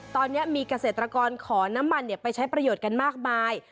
ตอนนี้มีเกษตรกรขอน้ำมันไปใช้ประโยชน์กันมากมาย